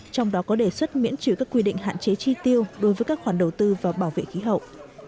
trong đó có đề xuất miễn trừ các quy định hạn chế chi tiêu đối với các khoản đầu tư và bảo vệ khí hậu